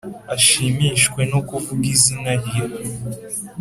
ashimishwe no kuvuga Izina rye.